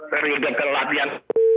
serius gagal latihan